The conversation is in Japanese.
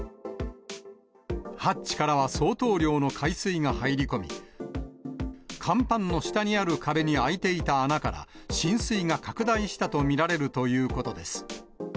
ハッチからは相当量の海水が入り込み、甲板の下にある壁に開いていた穴から浸水が拡大したと見られるということです。